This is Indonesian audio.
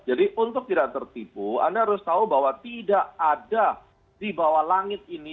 jadi untuk tidak tertipu anda harus tahu bahwa tidak ada di bawah langit ini